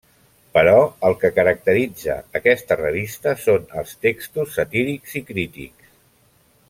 Però el que caracteritza aquesta revista són els textos satírics i crítics.